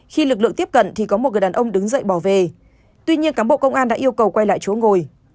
khi lực lượng tiếp cận thì có một người đàn ông đứng dậy bỏ về tuy nhiên cán bộ công an đã yêu cầu quay lại chỗ ngồi